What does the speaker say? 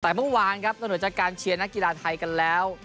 แต่เมื่อวานครับนอกเหนือจากการเชียร์นักกีฬาไทยกันแล้ว